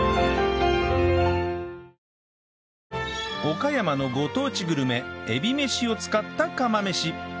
岡山のご当地グルメえびめしを使った釜飯